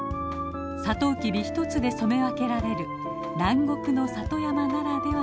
サトウキビ一つで染め分けられる南国の里山ならではの色合いです。